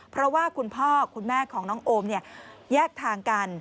เพราะว่าคุณพ่อคุณแม่ของน้องโอมแยกทางกัน